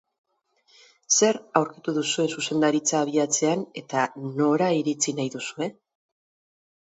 Zer aurkitu duzue zuzendaritza abiatzean eta nora iritsi nahi duzue?